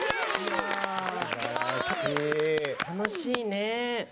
楽しいね。